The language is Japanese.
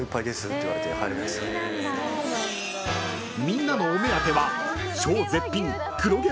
［みんなのお目当ては］